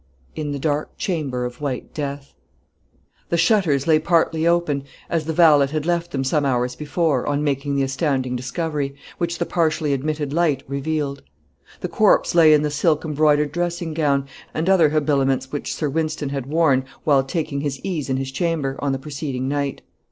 "In the dark chamber of white death." The shutters lay partly open, as the valet had left them some hours before, on making the astounding discovery, which the partially admitted light revealed. The corpse lay in the silk embroidered dressing gown, and other habiliments, which Sir Wynston had worn, while taking his ease in his chamber, on the preceding night.